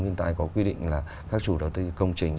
thiên tai có quy định là các chủ đầu tư công trình